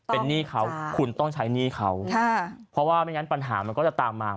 เป็นหนี้เขาคุณต้องใช้หนี้เขาค่ะเพราะว่าไม่งั้นปัญหามันก็จะตามมา